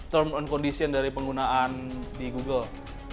term on condition dari penggunaan di google